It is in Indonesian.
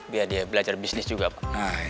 biar dia belajar bisnis juga pak